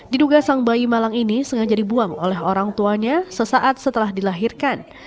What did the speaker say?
diduga sang bayi malang ini sengaja dibuang oleh orang tuanya sesaat setelah dilahirkan